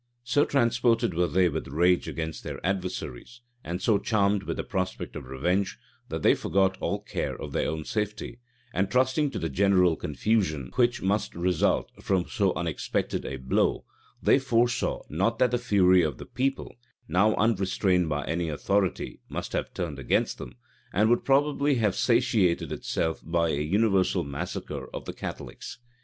So transported were they with rage against their adversaries, and so charmed with the prospect of revenge, that they forgot all care of their own safety; and trusting to the general confusion which must result from so unexpected a blow, they foresaw not that the fury of the people, now unrestrained by any authority, must have turned against them, and would probably have satiated itself by a universal massacre of the Catholics.